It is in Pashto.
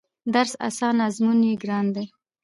درس اسان ازمون يې ګران دی